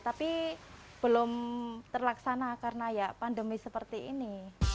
tapi belum terlaksana karena ya pandemi seperti ini